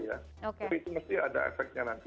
tapi itu mesti ada efeknya nanti